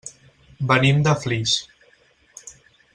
Venim de Flix.